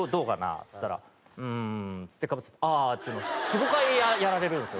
っつったら「うーん」っつってかぶせて「ああああ」っていうのを４５回やられるんですよ